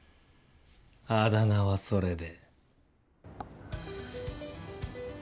あだ名はそれで。